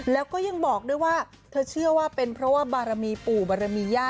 แล้วก็ยังบอกด้วยว่าเธอเชื่อว่าเป็นเพราะว่าบารมีปู่บารมีย่า